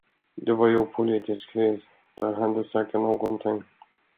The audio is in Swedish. Det var ju politisk kris, där hände säkert någonting.